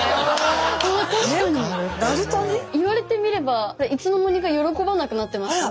言われてみればいつの間にか喜ばなくなってましたね。